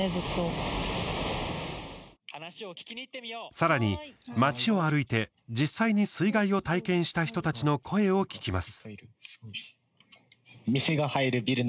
さらに街を歩いて、実際に水害を体験した人たちの声を聞きます。